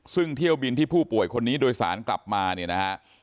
ซึ่งเที่ยวบินที่ผู้ป่วยคนนี้โดยสารกลับมาเนี่ยนะฮะ